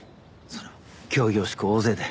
それも仰々しく大勢で。